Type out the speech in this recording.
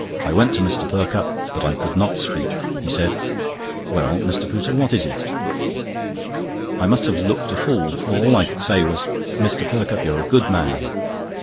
I went to Mr. Perkupp, but I could not speak. He said: "Well, Mr. Pooter, what is it?" I must have looked a fool, for all I could say was: "Mr. Perkupp, you are a good man."